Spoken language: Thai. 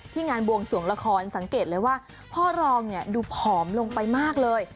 งานบวงสวงละครสังเกตเลยว่าพ่อรองเนี่ยดูผอมลงไปมากเลย